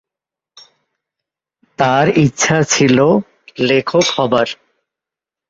তার ইচ্ছা ছিল লেখক হবার।